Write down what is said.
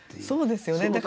そうですよね。